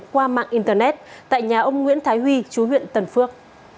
qua mạng internet tại nhà ông nguyễn thái huy chú huyện tần phước